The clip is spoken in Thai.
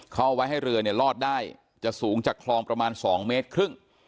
เอาไว้ให้เรือเนี่ยรอดได้จะสูงจากคลองประมาณ๒เมตรครึ่ง